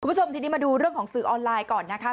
คุณผู้ชมทีนี้มาดูเรื่องของสื่อออนไลน์ก่อนนะคะ